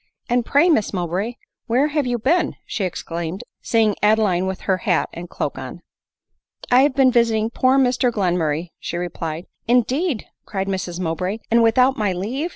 " And pray, Miss Mowbray, where have you been ?" she exclaimed, seeing Adeline with her hat and cloak on. " I have been visiting poor Mr Glenmurray," she re plied. "Indeed !" cried Mrs Mowbray ;" and without my leave